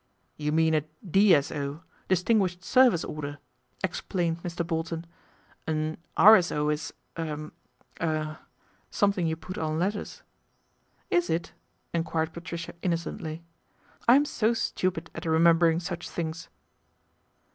' You mean a D.S.O., Distinguished Service Order," explained Mr. Bolton. " An R.S.O. is er er something you put on letters." 'Is it ?" enquired Patricia innocently, " I'm so stupid at remembering such things."